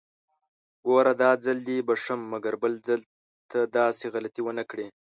ګوره! داځل دې بښم، مګر بل ځل ته داسې غلطي ونکړې!